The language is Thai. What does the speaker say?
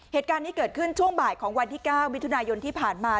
เหตุการณ์นี้เกิดขึ้นช่วงบ่ายของวันที่๙มิถุนายนที่ผ่านมา